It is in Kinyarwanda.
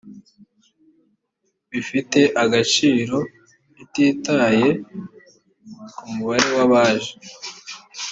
bifite agaciro ititaye ku mubare w abaje